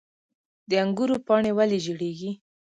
د انګورو پاڼې ولې ژیړیږي؟